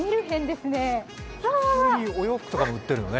普通にお洋服とかも売ってるのね。